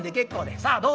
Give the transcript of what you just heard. さあどうぞ」。